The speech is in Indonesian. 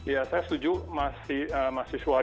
ya saya setuju mas yuswo